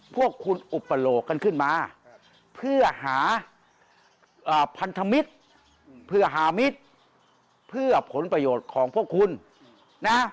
พวกคุณอุปโลกกันขึ้นมาเพื่อหาพันธมิตรเพื่อหามิตรเพื่อผลประโยชน์ของพวกคุณนะ